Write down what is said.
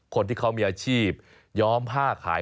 คนที่เขามีอาชีพย้อมผ้าขาย